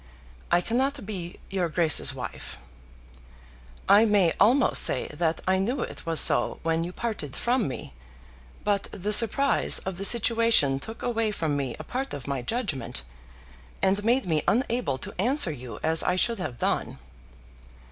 I cannot be your Grace's wife. I may almost say that I knew it was so when you parted from me; but the surprise of the situation took away from me a part of my judgment, and made me unable to answer you as I should have done.